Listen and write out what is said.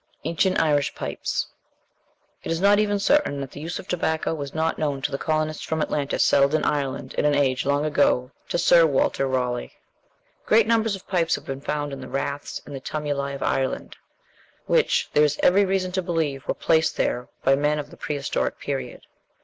("Amer. Cyclop.," vol. xiii., p. 528.) ANCIENT IRISH PIPES It is not even certain that the use of tobacco was not known to the colonists from Atlantis settled in Ireland in an age long prior to Sir Walter Raleigh. Great numbers of pipes have been found in the raths and tumuli of Ireland, which, there is every reason to believe, were placed there by men of the Prehistoric Period.